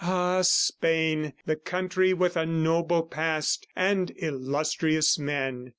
Ah, Spain, the country with a noble past and illustrious men!